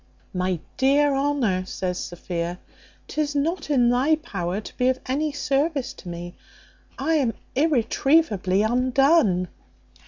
"My dear Honour," says Sophia, "'tis not in thy power to be of any service to me. I am irretrievably undone."